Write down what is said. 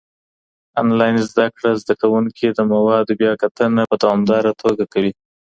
انلاين زده کړه زده کوونکي د موادو بیاکتنه په دوامداره توګه کوي.